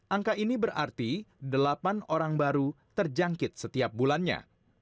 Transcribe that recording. angka ini berarti delapan orang baru terjangkit setiap bulannya